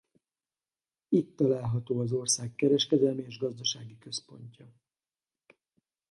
Itt található az ország kereskedelmi és gazdasági központja.